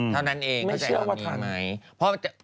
เท่านั้นเองเข้าใจแบบนี้ไหม